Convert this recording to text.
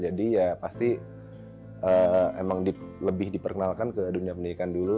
jadi ya pasti emang lebih diperkenalkan ke dunia pendidikan dulu